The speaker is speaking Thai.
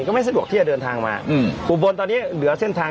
ก็ไม่สะดวกที่จะเดินทางมาอืมอุบลตอนนี้เหลือเส้นทาง